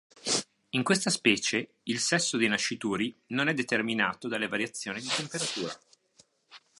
In questa specie, il sesso dei nascituri non è determinato dalle variazioni di temperatura.